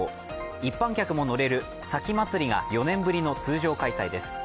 一般客も乗れる前祭が４年ぶりの通常開催です。